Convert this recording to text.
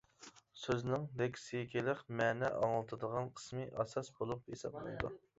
سۆزنىڭ لېكسىكىلىق مەنە ئاڭلىتىدىغان قىسمى ئاساس بولۇپ ھېسابلىنىدۇ.